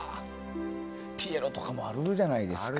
「ピエロ」とかもあるじゃないですか。